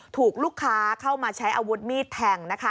ถูกลูกค้าใช้อาวุธมีดแทง